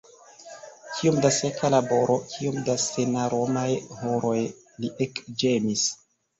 "Kiom da seka laboro, kiom da senaromaj horoj!" li ekĝemis.